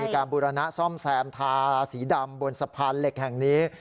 การบูรณะซ่อมแซมทาสีดำบนสะพานเหล็กแห่งนี้